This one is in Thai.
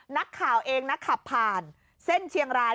นักข่าวเองนะขับผ่านเส้นเชียงราย